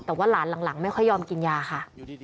แต่ว่าหลานหลังไม่ค่อยยอมกินยาค่ะ